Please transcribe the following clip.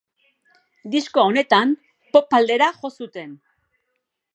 Disko honetan pop aldera jo zuten.